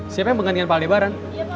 siapa yang mengandung pak aldebaran